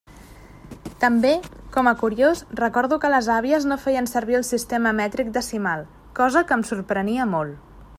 També com a curiós recordo que les àvies no feien servir el sistema mètric decimal, cosa que em sorprenia molt.